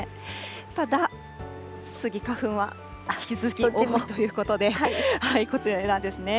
ただ、スギ花粉は引き続き多いということで、こちらなんですね。